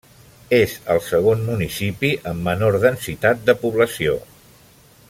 És el segon municipi amb menor densitat de població.